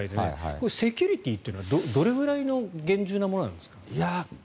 セキュリティーというのはどれくらいの厳重なものなんですか？